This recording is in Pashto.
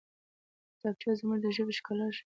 کتابچه زموږ د ژبې ښکلا ښيي